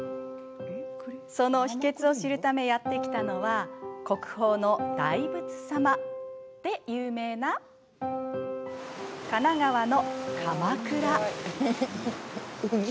その秘けつを知るためやって来たのは国宝の大仏様で有名な神奈川の鎌倉。